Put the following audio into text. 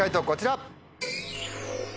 こちら。